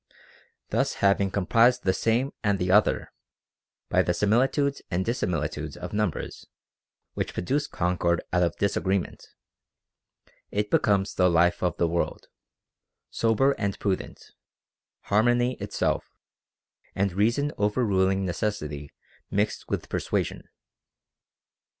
Thus having comprised the Same and the Other, by the similitudes and dissimilitudes of numbers which produce concord out of disagreement, it becomes the life of the world, sober and prudent, harmony itself, and reason overruling necessity mixed with persuasion.